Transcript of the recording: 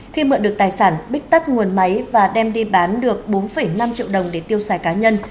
khi mượn được tài sản bích tắt nguồn máy và đem đi bán được bốn năm triệu đồng để tiêu xài cá nhân